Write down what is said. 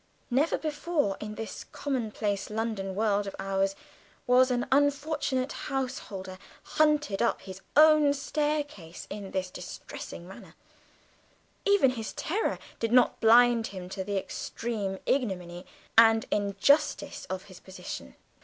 Never before in this commonplace London world of ours was an unfortunate householder hunted up his own staircase in this distressing manner; even his terror did not blind him to the extreme ignominy and injustice of his position.